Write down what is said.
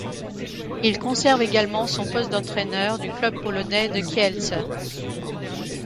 Il conserve également son poste d'entraîneur du club polonais de Kielce.